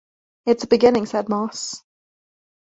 "It's a beginning," said Moss.